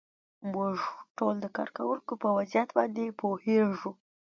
موږ ټول د کارکوونکو په وضعیت باندې پوهیږو.